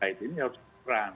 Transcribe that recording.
ini harus berang